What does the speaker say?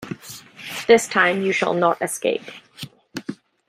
This time you shall not escape.